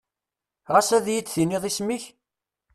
Ɣas ad yi-d-tiniḍ isem-ik?